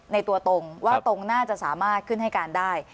ในตัวตรงว่าตรงน่าจะสามารถขึ้นให้การได้